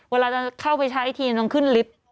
เวลาจะเข้าไปใช้ทีต้องขึ้นลิฟต์